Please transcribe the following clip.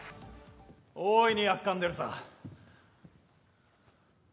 大いに、やっかんでるさ。